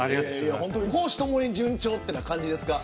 公私ともに順調という感じですか。